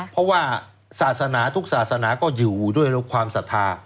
เพราะว่าทุกศาสนาก็อยู่ด้วยความสัตว์ทา